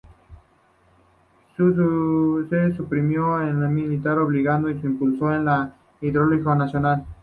Se suprimió el servicio militar obligatorio y se impulsó el Plan Hidrológico Nacional.